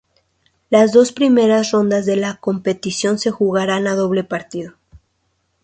Las dos primeras rondas de la competición se jugarán a doble partido.